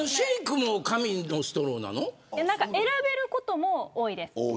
選べることも多いです。